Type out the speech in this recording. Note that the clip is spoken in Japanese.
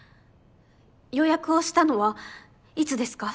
予約をしたのはいつですか？